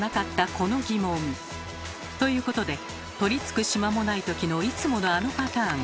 ということで取りつく島もないときのいつものあのパターン。